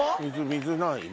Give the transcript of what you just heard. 水ない？